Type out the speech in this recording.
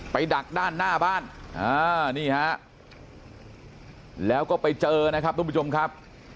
ดักด้านหน้าบ้านนี่ฮะแล้วก็ไปเจอนะครับทุกผู้ชมครับ